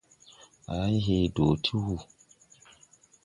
A hay hee dɔɔ ti wùu.